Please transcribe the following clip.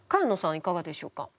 いかがでしょうか。